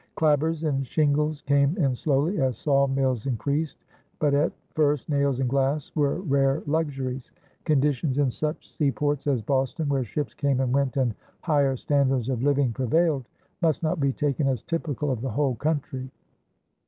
Clapboards and shingles came in slowly as sawmills increased, but at first nails and glass were rare luxuries. Conditions in such seaports as Boston, where ships came and went and higher standards of living prevailed, must not be taken as typical of the whole country.